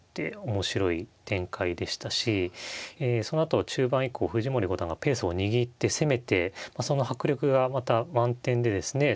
面白い展開でしたしそのあと中盤以降藤森五段がペースを握って攻めてその迫力がまた満点でですね